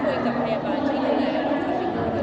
มันก็จะเป็นเรื่องรักทุกคน